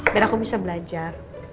biar aku bisa belajar